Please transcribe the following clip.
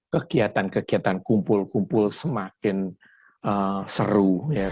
kegiatan kegiatan kumpul kumpul semakin seru